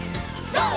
ＧＯ！